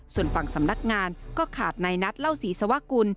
ส่วนฝั่งสำนักงานก็ขาดในนัดเล่าศรีสวกุล